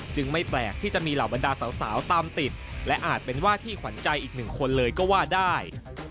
ไม่แปลกที่จะมีเหล่าบรรดาสาวตามติดและอาจเป็นว่าที่ขวัญใจอีกหนึ่งคนเลยก็ว่าได้